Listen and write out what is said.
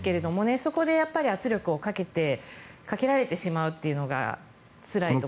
そこで圧力をかけられてしまうというのがつらいところです。